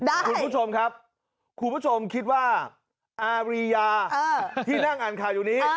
คุณผู้ชมครับคุณผู้ชมคิดว่าอารียาที่นั่งอ่านข่าวอยู่นี้